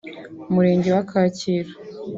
Umurenge wa Kacyiru